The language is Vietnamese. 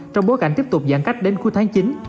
trong bối cảnh tiếp tục giãn cách đến cuối tháng chín